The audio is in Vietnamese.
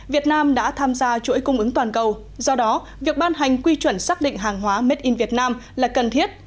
việt nam đã tham gia chuỗi cung ứng toàn cầu do đó việc ban hành quy chuẩn xác định hàng hóa made in việt nam là cần thiết